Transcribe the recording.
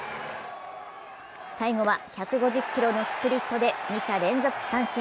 最後は１５０キロのスプリットで二者連続三振。